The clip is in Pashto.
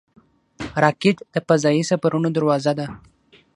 راکټ د فضايي سفرونو دروازه ده